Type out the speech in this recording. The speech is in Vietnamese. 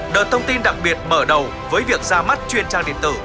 đợt thông tin đặc biệt mở đầu với việc ra mắt truyền trang điện tử